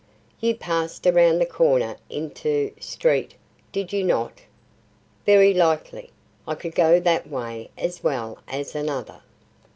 "You passed around the corner into street, did you not?" "Very likely. I could go that way as well as another."